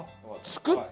作ってる。